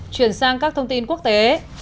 chuyển sang các thông tin quốc tế